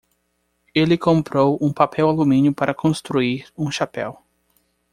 Ele comprou um papel-alumínio para construir um chapéu.